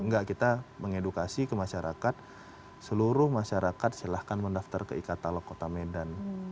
enggak kita mengedukasi ke masyarakat seluruh masyarakat silahkan mendaftar ke e katalog kota medan